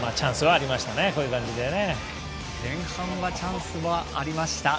前半はチャンスありました。